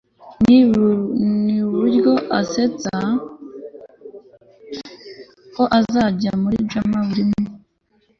ni nuburyo asetsa nawe ko azajya muri jama buri umwe